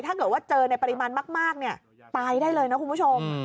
ถ้าเกิดว่าเจอในปริมาณมากตายได้เลยนะคุณผู้ชม